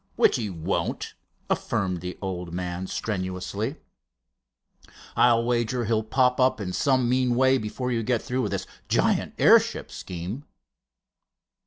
"Which he won't," affirmed the old man, strenuously. "I'll wager he'll pop up in some mean way before you get through with this giant airship scheme."